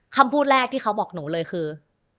คำพูดแรกที่เขาบอกหนูเลยคือ